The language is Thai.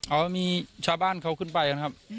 เอามีชาวบ้านเขาขึ้นไปนะครับ